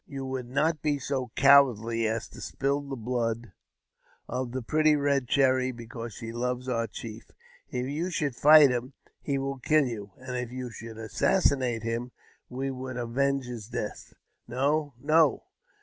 You would not be so cowardly as to spill the blood of the pretty Eed Cherry because she loves our chief. If you should fight him, he will kill you; and if you should assassi nate him, we would avenge his death. No, no